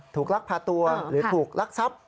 ลักพาตัวหรือถูกลักทรัพย์